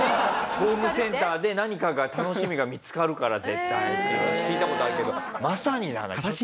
ホームセンターで何かが楽しみが見つかるから絶対っていう話聞いた事あるけどまさにじゃない。